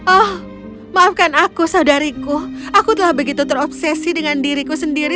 oh maafkan aku saudariku aku telah begitu terobsesi dengan diriku sendiri